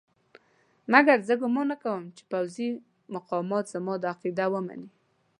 مګر زه ګومان نه کوم چې پوځي مقامات زما دا عقیده ومني.